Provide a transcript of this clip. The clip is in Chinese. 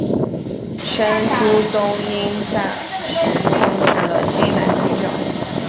申屠琮因而暂时控制了荆南军政。